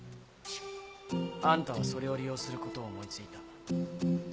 あんたはそれを利用することを思いついた。